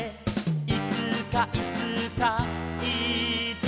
「いつかいつかいつか」